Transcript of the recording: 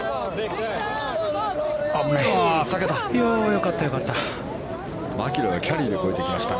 よかった、よかった。